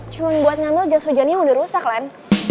cuman buat ngambil jas hujannya udah rusak lan